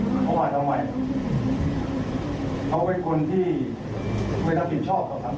เขาเป็นคนที่ไม่ได้ผิดชอบของสังคม